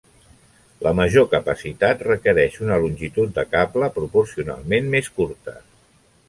La major capacitat requereix una longitud de cable proporcionalment més curta.